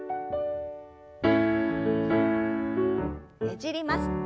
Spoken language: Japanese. ねじります。